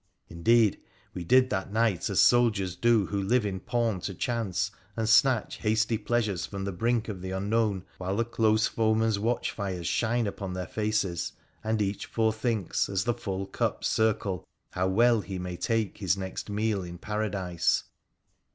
Indeed, we did that night as soldiers do who live in pawn to chance, and snatch hasty pleasures from the brink of the unknown while the close foeman's watch fires shine upon their faces, and each fore thinks, as the full cups circle, how well he may take his next meal in Paradise.